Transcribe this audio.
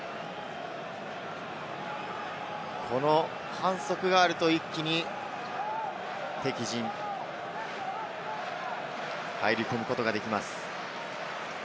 反則があると一気に敵陣に入り込むことができます。